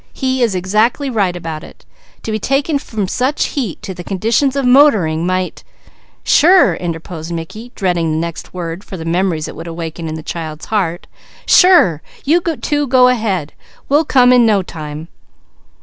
He is exactly right about it. To be taken from such heat to the conditions of motoring might " "Sure!" interposed Mickey, dreading the next word for the memories it would awaken in the child's heart. "Sure! You two go ahead! We'll come in no time!"